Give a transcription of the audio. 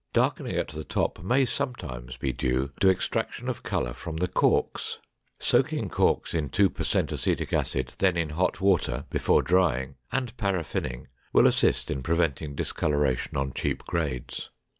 Darkening at the top may sometimes be due to extraction of color from the corks. Soaking corks in two per cent acetic acid, then in hot water before drying, and paraffining, will assist in preventing discoloration on cheap grades.